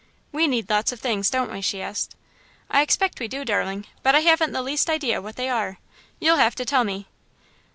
"We need lots of things, don't we?" she asked. "I expect we do, darling, but I haven't the least idea what they are. You'll have to tell me."